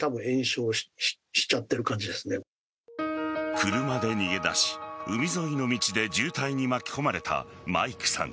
車で逃げ出し、海沿いの道で渋滞に巻き込まれたマイクさん。